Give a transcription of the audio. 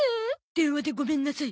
電話でごめんなさい。